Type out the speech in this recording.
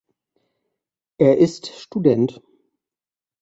Er ist Student.